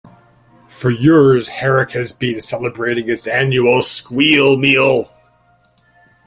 For years Herrick has been celebrating its annual Squeal Meal.